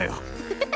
ハハハハ。